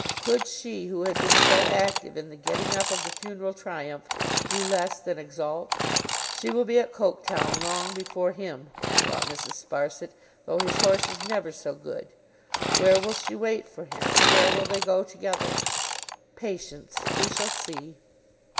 Could she, who had been so active in the getting up of the funeral triumph, do less than exult? 'She will be at Coketown long before him,' thought Mrs. Sparsit, 'though his horse is never so good. Where will she wait for him? And where will they go together? Patience. We shall see.